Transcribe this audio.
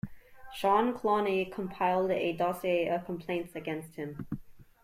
Sean Cloney compiled a dossier of complaints against him.